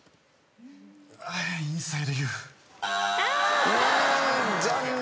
『インサイドユー』残念。